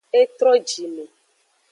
E tro jime.